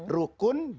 rukun bagi orang lainnya